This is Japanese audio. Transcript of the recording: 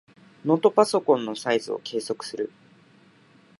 ノートパソコンのサイズを計測する。